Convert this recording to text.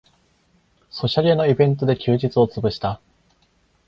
ソシャゲのイベントで休日をつぶした